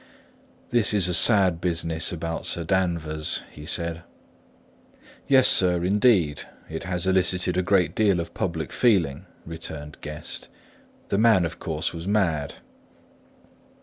"This is a sad business about Sir Danvers," he said. "Yes, sir, indeed. It has elicited a great deal of public feeling," returned Guest. "The man, of course, was mad."